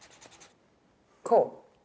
こう。